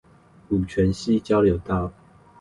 五權西交流道